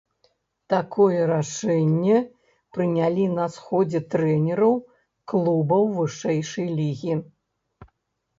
Такое рашэнне прынялі на сходзе трэнераў клубаў вышэйшай лігі.